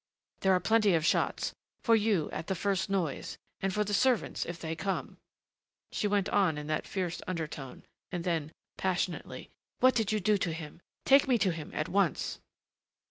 "There are plenty of shots for you, at the first noise, and for the servants, if they come," she went on in that fierce undertone, and then, passionately, "What did you do to him? Take me to him at once!"